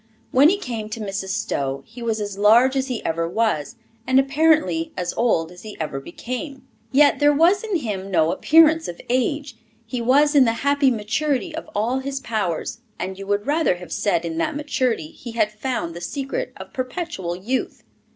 When he came to Mrs. Stowe, he was as large as he ever was, and apparently as old as he ever became. Yet there was in him no appearance of age; he was in the happy maturity of all his powers, and you would rather have said in that maturity he had found the secret of perpetual youth.